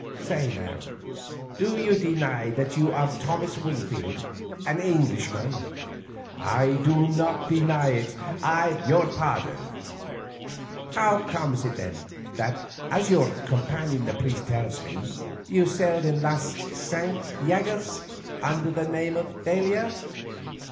Say now, do you deny that you are Thomas Wingfield and an Englishman?" "I do not deny it. I—" "Your pardon. How comes it then that, as your companion the priest tells me, you sailed in Las Cinque Llagas under the name of _d'Aila?